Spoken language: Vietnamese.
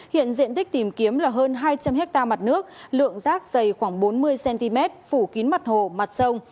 hiện diện tích tìm kiếm là hơn hai trăm linh hectare mặt nước lượng rác dày khoảng bốn mươi cm phủ kín mặt hồ mặt sông